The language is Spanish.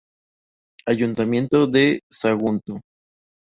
Ayuntamiento de Sagunto.